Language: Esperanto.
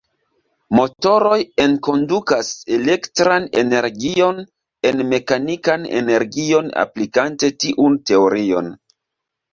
Motoroj enkondukas elektran energion en mekanikan energion aplikante tiun teorion.